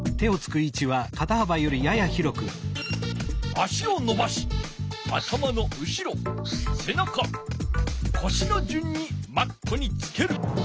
足をのばし頭の後ろせなかこしのじゅんにマットにつける。